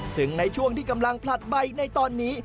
ซึ่งในช่วงที่กำลังผลัดใบในตอนนี้